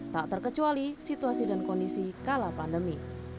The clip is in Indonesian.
tak terkecuali situasi dan kondisi kala pandemi